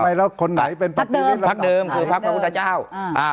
ไปแล้วคนไหนเป็นพักชีวิตพักเดิมคือพักพระพุทธเจ้าอ่า